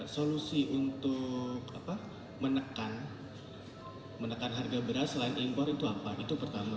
solusi untuk menekan harga beras selain impor itu apa itu pertama